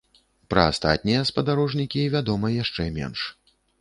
Пра астатнія спадарожнікі вядома яшчэ менш.